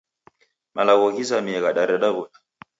Malagho ghizamie ghadareda w'uda.